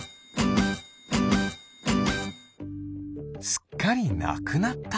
すっかりなくなった。